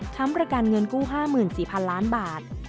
ทั้งประการเงินกู้๕๔๐๐๐ล้านบาท